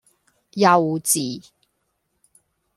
幼稚!